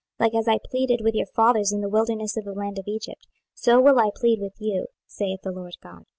26:020:036 Like as I pleaded with your fathers in the wilderness of the land of Egypt, so will I plead with you, saith the Lord GOD.